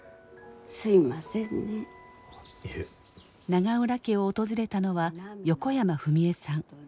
永浦家を訪れたのは横山フミエさん。